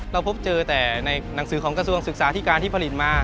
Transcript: เราพบเจอแต่ในหนังสือของกระทรวงศึกษาที่การที่ผลิตมา